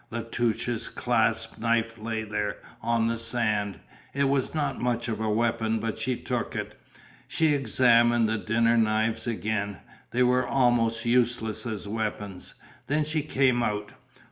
La Touche's clasp knife lay there on the sand, it was not much of a weapon but she took it. She examined the dinner knives again. They were almost useless as weapons. Then she came out.